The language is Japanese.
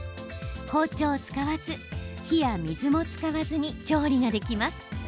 包丁を使わず火や水も使わずに調理ができます。